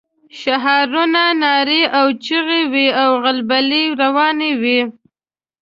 شعارونه، نارې او چيغې وې او غلبلې روانې وې.